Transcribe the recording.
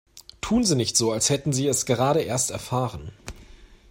Tun Sie nicht so, als hätten Sie es gerade erst erfahren!